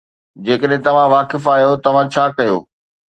جيڪڏهن توهان واقف آهيو، توهان ڇا ڪيو؟